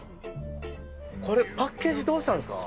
このパッケージはどうしたんですか？